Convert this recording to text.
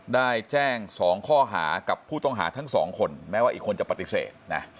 ได้แจ้ง๒ข้อหากับผู้ต้องหาทั้งสองคนแม้ว่าอีกคนจะปฏิเสธนะ